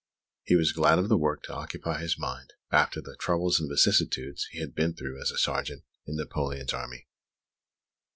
He was glad of the work to occupy his mind, after the troubles and vicissitudes he had been through as a sergeant in Napoleon's army.